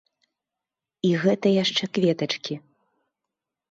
І гэта яшчэ кветачкі!